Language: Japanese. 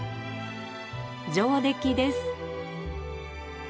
上出来です。